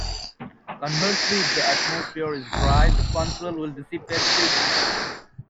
Conversely, if the atmosphere is dry, the contrail will dissipate quickly.